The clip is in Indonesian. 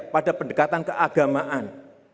pada pendekatan keagamaan